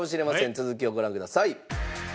続きをご覧ください。